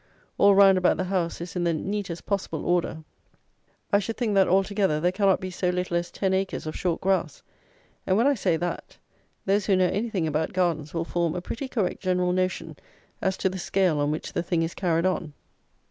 All round about the house is in the neatest possible order. I should think that, altogether, there cannot be so little as ten acres of short grass; and when I say that, those who know anything about gardens will form a pretty correct general notion as to the scale on which the thing is carried on.